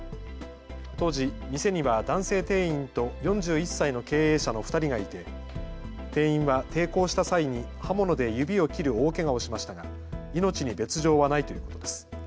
当時、店には男性店員と４１歳の経営者の２人がいて店員は抵抗した際に刃物で指を切る大けがをしましたが命に別状はないということです。